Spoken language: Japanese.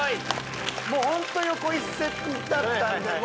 もうホント横一線だったんで。